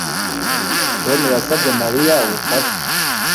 Tom yasabye Mariya ubufasha